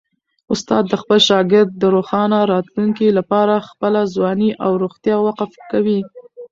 استاد د خپل شاګرد د روښانه راتلونکي لپاره خپله ځواني او روغتیا وقف کوي.